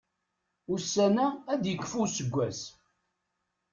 Ussan-a ad yekfu useggas.